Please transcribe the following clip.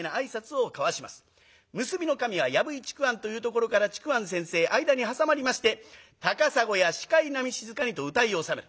結びの神は藪井竹庵というところから竹庵先生間に挟まりまして「高砂や四海波静かに」と謡い納める。